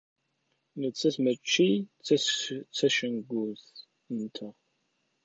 Nettat mačči d tacengut-nteɣ.